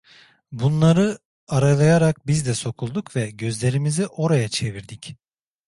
Bunları aralayarak biz de sokulduk ve gözlerimizi oraya çevirdik…